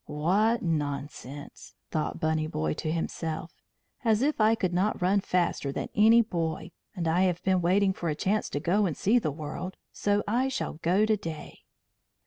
"What nonsense!" thought Bunny Boy to himself. "As if I could not run faster than any boy. And I have been waiting for a chance to go and see the world, so I shall go to day."